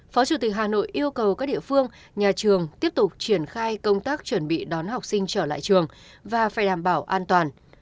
phó chủ tịch hà nội yêu cầu các địa phương nhà trường tiếp tục triển khai công tác chuẩn bị đón học sinh trở lại trường và phải đảm bảo an toàn